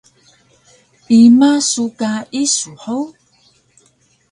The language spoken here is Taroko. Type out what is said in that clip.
Ima su ka isu hug?